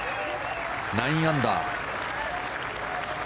９アンダー。